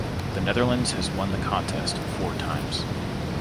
The Netherlands has won the contest four times.